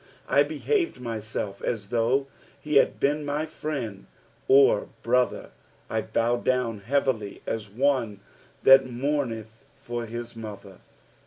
14 I behaved myself as though he had been my friend or brother : I bowed down heavily as one that mournethyiw his mother.